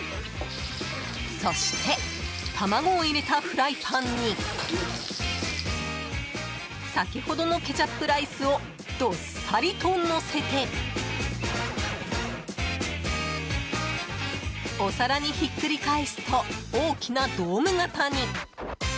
そして、卵を入れたフライパンに先ほどのケチャップライスをどっさりとのせてお皿にひっくり返すと大きなドーム型に。